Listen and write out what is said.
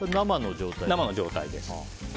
生の状態です。